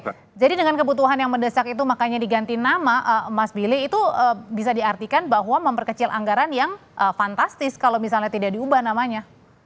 oke jadi dengan kebutuhan yang mendesak itu makanya diganti nama mas billy itu bisa diartikan bahwa memperkecil anggaran yang fantastis kalau misalnya tidak diubah namanya